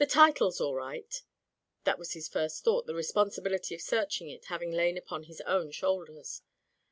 "The tide's all right/' That was his first thought, the responsibility of searching it having lain upon his own shoulders.